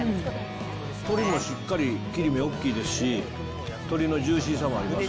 鶏もしっかり切り身大きいですし、鶏のジューシーさもあります。